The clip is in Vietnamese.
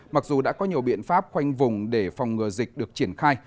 mặc dù đã có nhiều biện pháp khoanh vùng để phòng ngừa dịch được triển khai